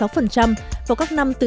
vào các năm từ hai nghìn năm hai nghìn chín